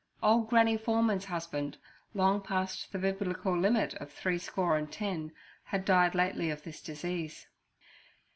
Old Granny Foreman's husband, long past the Biblical limit of three score and ten, had died lately of this disease.